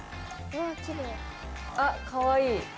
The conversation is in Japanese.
あっかわいい。